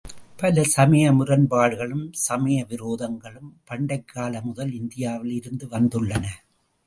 பல சமய முரண்பாடுக்ளும், சமய விரோதங்களும் பண்டைக்கால முதல் இந்தியாவில் இருந்து வந்துள்ளன.